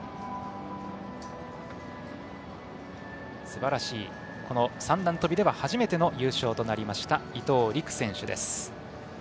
すばらしい、三段跳びでは初めての優勝となりました伊藤陸選手です。